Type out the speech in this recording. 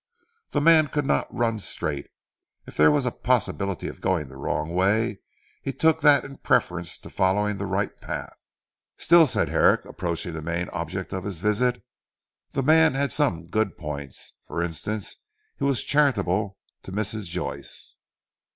The man could not run straight. If there was a possibility of going the wrong way, he took that in preference to following the right path." "Still," said Herrick approaching the main object of his visit, "the man had some good points. For instance, he was charitable to Mrs. Joyce."